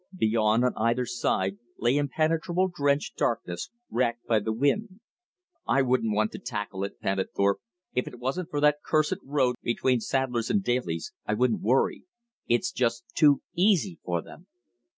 Beyond, on either side, lay impenetrable drenched darkness, racked by the wind. "I wouldn't want to tackle it," panted Thorpe. "If it wasn't for that cursed tote road between Sadler's and Daly's, I wouldn't worry. It's just too EASY for them."